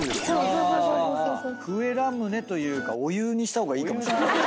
笛ラムネというかお湯にした方がいいかもしれない。